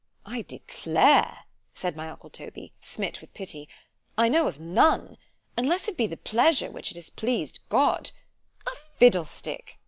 I declare, said my uncle Toby, smit with pity, I know of none; unless it be the pleasure which it has pleased God—— A fiddlestick!